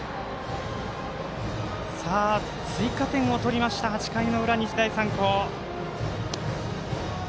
追加点を取りましたが８回の裏、日大三高。